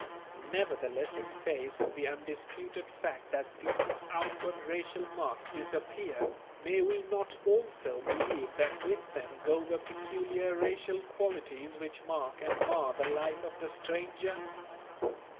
Nevertheless in face of the undisputed fact that these outward racial marks disappear, may we not also believe that with them go the peculiar racial qualities which mark and mar the life of the stranger?